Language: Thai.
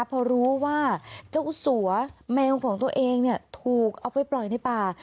พอรู้ว่าเจ้าสัวแมวของตัวเองถูกเอาไปปล่อยในป่า